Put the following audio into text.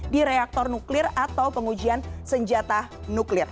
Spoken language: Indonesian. di reaktor nuklir atau pengujian senjata nuklir